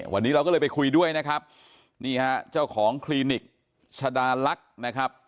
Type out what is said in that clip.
วันนี้เราก็เลยไปคุยด้วยนะครับนี่ฮะเจ้าของคลินิกชะดาลักษณ์นะครับ